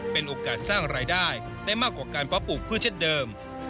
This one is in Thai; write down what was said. เป็นโอกาสสร้างรายได้ได้มากกว่าการเพาะปลูกพืชเช่นเดิม